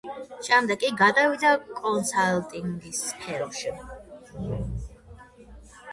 შემდეგ კი გადავიდა კონსალტინგის სფეროში.